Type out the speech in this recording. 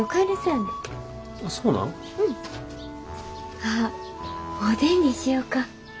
あっおでんにしよか。